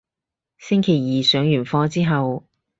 星期二上完課之後